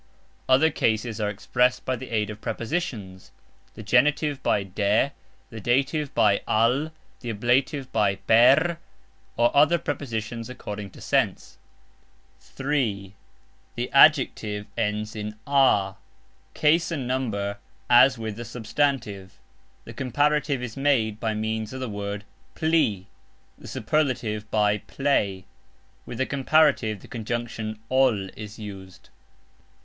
Other cases are expressed by the aid of prepositions (the genitive by "de", the dative by "al", the ablative by "per", or other prepositions according to sense). (3) The ADJECTIVE ends in "a". Case and number as with the substantive. The Comparative is made by means of the word "pli", the Superlative by "plej"; with the Comparative the conjunction "ol" is used.